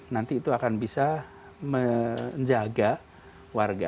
nanti itu akan bisa menjaga warga